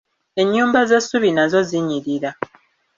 Ennyumba z'essubi nazo zinnyirira